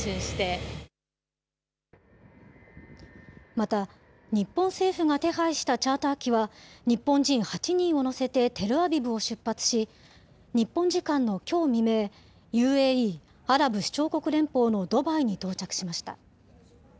また、日本政府が手配したチャーター機は日本人８人を乗せてテルアビブを出発し、日本時間のきょう未明、ＵＡＥ・アラブ首長国連邦のドバイに到着しました。